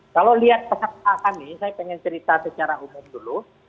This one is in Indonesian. kalau lihat peserta kami saya ingin cerita secara umum dulu